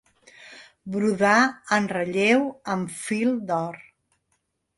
Brodar en relleu amb fil d'or.